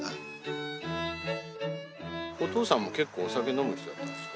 お父さんも結構お酒飲む人だったんですか？